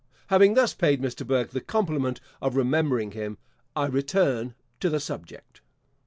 Having thus paid Mr. Burke the compliment of remembering him, I return to the subject.